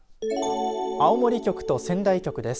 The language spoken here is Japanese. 青森局と仙台局です。